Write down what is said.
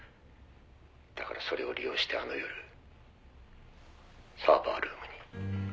「だからそれを利用してあの夜サーバールームに」